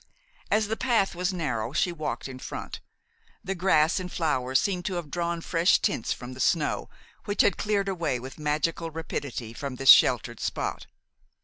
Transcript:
As the path was narrow she walked in front. The grass and flowers seemed to have drawn fresh tints from the snow, which had cleared away with magical rapidity from this sheltered spot.